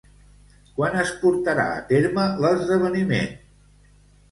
Quan es portarà a terme l'esdeveniment?